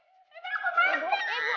ibu ibu jangan ibu